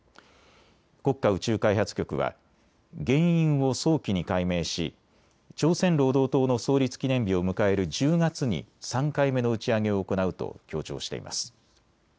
国家宇宙開発局は原因を早期に解明し朝鮮労働党の創立記念日を迎える１０月に３回目の打ち上げを行うと強調しています。